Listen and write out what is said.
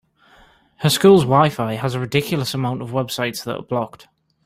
Her school’s WiFi has a ridiculous amount of websites that are blocked.